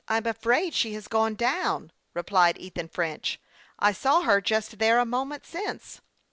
I'm afraid she has gone down/' replied Ethan French. " I saw her just there a moment since."